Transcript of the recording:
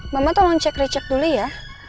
mama tolong cek recek dulu ya